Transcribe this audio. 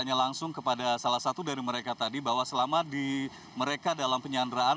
saya tanya langsung kepada salah satu dari mereka tadi bahwa selama mereka dalam penyanderaan